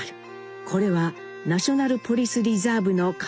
これはナショナル・ポリス・リザーブの頭文字。